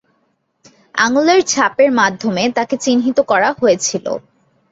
আঙুলের ছাপের মাধ্যমে তাকে চিহ্নিত করা হয়েছিল।